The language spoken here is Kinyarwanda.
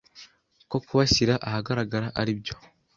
ko kubashyira ahagaragara aribyo